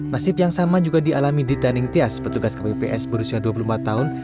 nasib yang sama juga dialami dita ningtyas petugas kpps berusia dua puluh empat tahun